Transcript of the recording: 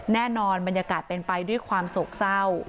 บรรยากาศเป็นไปด้วยความโศกเศร้า